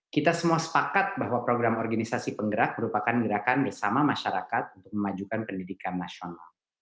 kita semua sepakat bahwa program organisasi penggerak merupakan gerakan bersama masyarakat untuk memajukan pendidikan nasional